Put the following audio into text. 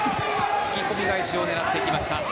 引き込み返しを狙ってきました。